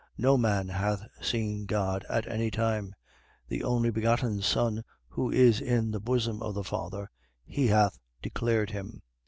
1:18. No man hath seen God at any time: the only begotten Son who is in the Bosom of the Father, he hath declared him.